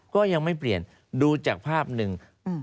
ก็ยังไม่เปลี่ยนดูจากภาพหนึ่ง